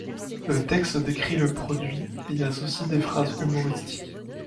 Le texte décrit le produit et y associe des phrases humoristiques.